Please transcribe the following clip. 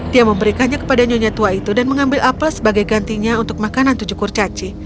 dia memberikannya kepada nyonya tua itu dan mengambil apel sebagai gantinya untuk makanan tujuh kurcaci